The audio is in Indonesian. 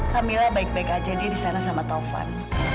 kamila baik baik aja dia disana sama taufan